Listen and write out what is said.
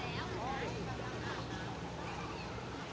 สวัสดีครับทุกคน